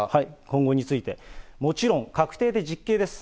今後について、もちろん確定で実刑です。